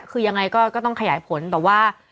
คือยังไงก็ต้องขยายผลแต่ว่า